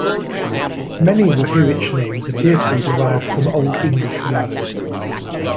Many Rohirric names appear to be derived from Old English words.